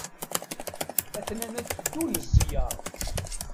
A-ten-an ad d-teddun zziyaṛ.